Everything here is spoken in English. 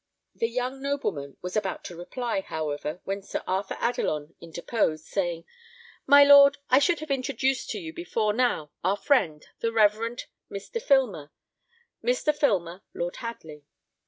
The young nobleman was about to reply, however, when Sir Arthur Adelon interposed, saying, "My lord, I should have introduced to you before now our friend, the Reverend Mr. Filmer Mr. Filmer, Lord Hadley."